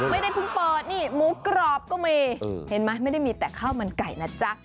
ไม่ได้เพิ่งเปิดนี่หมูกรอบก็มีเห็นไหมไม่ได้มีแต่ข้าวมันไก่นะจ๊ะ